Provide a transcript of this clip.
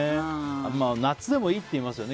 夏でもいいっていいますよね